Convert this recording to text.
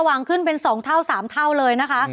มันเป็น๒เท่า๓เท่าเลยนะคะ